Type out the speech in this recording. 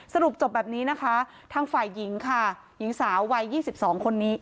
สรุปจบแบบนี้นะคะทางฝ่ายหญิงค่ะหญิงสาววัย๒๒คนนี้